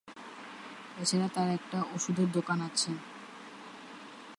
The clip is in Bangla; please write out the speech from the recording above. এছাড়া তার একটা ওষুধের দোকান আছেন।